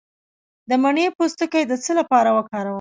د مڼې پوستکی د څه لپاره وکاروم؟